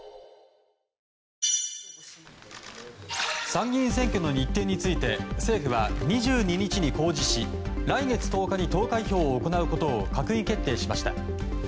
参議院選挙の日程について政府は２２日に公示し来月１０日に投開票を行うことを閣議決定しました。